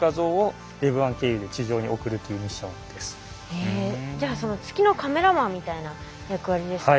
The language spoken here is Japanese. へえじゃあ月のカメラマンみたいな役割ですね。